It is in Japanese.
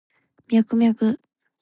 ミャクミャク